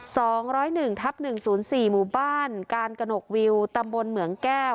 สองร้อยหนึ่งทับหนึ่งศูนย์สี่หมู่บ้านการกระหนกวิวตำบลเหมืองแก้ว